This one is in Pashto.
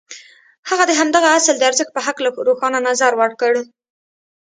هغه د همدغه اصل د ارزښت په هکله روښانه نظر ورکړ.